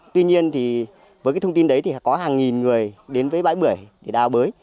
tuy nhiên với thông tin đấy có hàng nghìn người đến với bãi bưởi để đào bới